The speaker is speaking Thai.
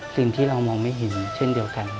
สิ่งที่เรามองไม่เห็นเช่นเดียวกัน